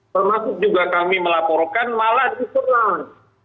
termasuk juga kami melaporkan malah di kolnas